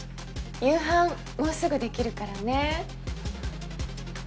夕飯もうすぐできるからね。